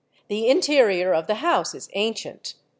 The interior of the house is ancient.